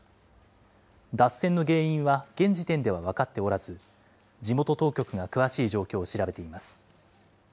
脱線の原因は現時点では分かっておらず、地元当局が詳しい状況を調べています。